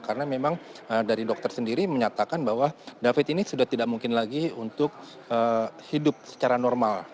karena memang dari dokter sendiri menyatakan bahwa david ini sudah tidak mungkin lagi untuk hidup secara normal